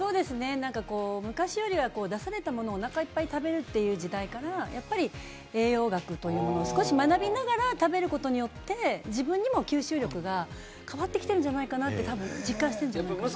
昔よりは出されたものをおなかいっぱい食べるっていう時代から、栄養学というものを学びながら、食べることによって自分にも吸収力が変わってきるんじゃないかなって実感してるんじゃないかな。